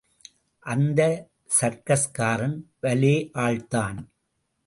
அந்தச் சர்க்கஸ்காரன் பலே ஆள்தான்.